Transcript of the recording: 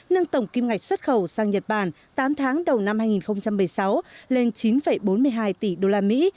nâng tổng kim ngạch xuất khẩu sang nhật bản tám tháng đầu năm hai nghìn một mươi sáu lên chín bốn mươi hai tỷ đô la mỹ